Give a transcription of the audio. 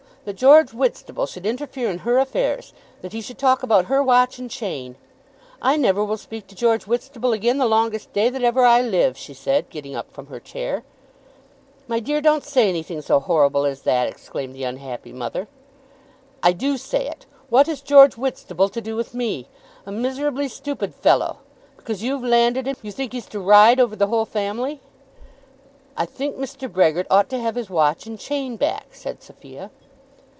That George Whitstable should interfere in her affairs, that he should talk about her watch and chain. "I never will speak to George Whitstable again the longest day that ever I live," she said, getting up from her chair. "My dear, don't say anything so horrible as that," exclaimed the unhappy mother. "I do say it. What has George Whitstable to do with me? A miserably stupid fellow! Because you've landed him, you think he's to ride over the whole family." "I think Mr. Brehgert ought to have his watch and chain back," said Sophia.